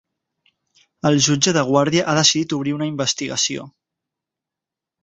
El jutge de guàrdia ha decidit obrir una investigació.